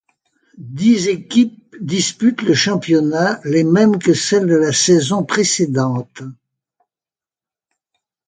Dix équipes disputent le championnat, les mêmes que celles de la saison précédente.